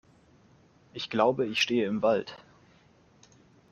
Ich glaube, ich stehe im Wald!